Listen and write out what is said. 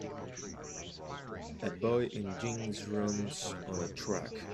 A boy in jeans runs on a track.